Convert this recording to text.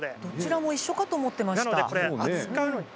どちらも一緒なのかと思っていました。